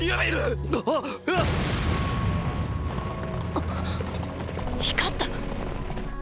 あっ光った⁉